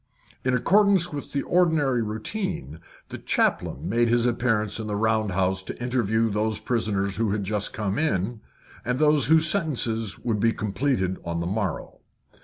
In accordance with the ordinary routine, the chaplain made his appearance in the round house to interview those prisoners who had just come in, and those whose sentences would be completed on the morrow.